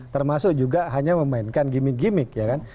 termasuk juga hanya memainkan gimmick gimmick ya kan